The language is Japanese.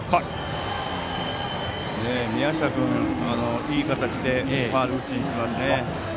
宮下君、いい形でファウル打ってますね。